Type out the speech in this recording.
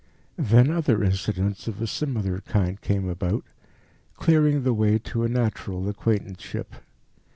Then other incidents of a similar kind came about, clearing the way to a natural acquaintanceship.